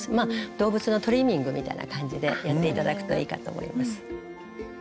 動物のトリミングみたいな感じでやって頂くといいかと思います。